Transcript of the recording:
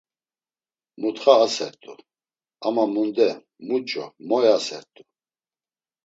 Mutxa asert̆u, ama munde, muç̌o, moy asert̆u?